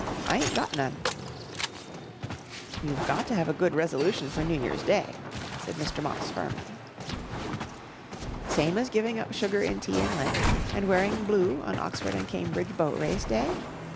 "I ain't got none." "You've got to have a good resolution for New Year's Day," said Mr. Moss firmly. "Same as giving up sugar in tea in Lent and wearing blue on Oxford and Cambridge Boat Race Day?"